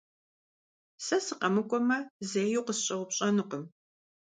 Сэ сыкъэмыкӀуэмэ, зэи укъысщӀэупщӀэнукъым.